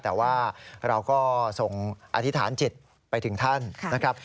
แต่ว่าเราก็ส่งอธิษฐานจิตไปถึงท่านนะครับ